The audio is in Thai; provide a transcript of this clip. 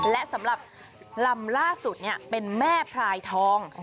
และสำหรับลำล่าสุดเป็นแม่พรายทอง